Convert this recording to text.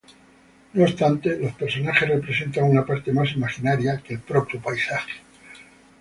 No obstante, los personajes representan una parte mas imaginaria que el propio paisaje.